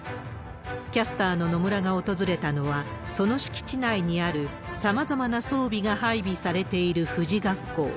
キャスターの野村が訪れたのは、その敷地内にある、さまざまな装備が配備されている富士学校。